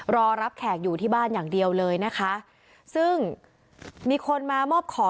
รอรับแขกอยู่ที่บ้านอย่างเดียวเลยนะคะซึ่งมีคนมามอบขอ